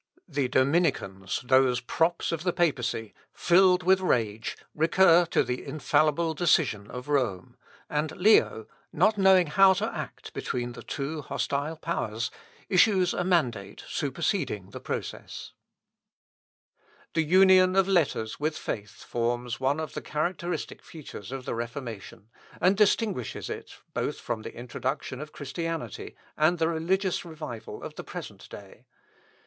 The Dominicans, those props of the papacy, filled with rage, recur to the infallible decision of Rome, and Leo, not knowing how to act between the two hostile powers, issues a mandate superseding the process. The union of letters with faith forms one of the characteristic features of the Reformation, and distinguishes it, both from the introduction of Christianity, and the religious revival of the present day.